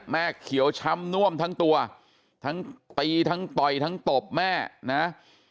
เขียวช้ำน่วมทั้งตัวทั้งตีทั้งต่อยทั้งตบแม่นะ